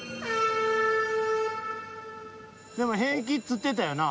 でも平気つってたよな。